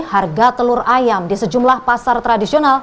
harga telur ayam di sejumlah pasar tradisional